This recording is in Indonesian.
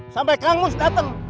sampai kang mus datang